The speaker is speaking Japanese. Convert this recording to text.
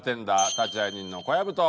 立会人の小籔と。